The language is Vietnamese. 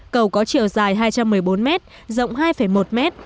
cầu có chiều dài hai trăm một mươi bốn mét rộng hai một m